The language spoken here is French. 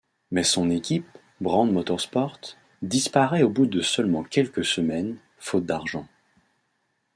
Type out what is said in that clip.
Mais son équipe, Brand Motorsport, disparaît au bout de seulement quelques semaines, faute d'argent.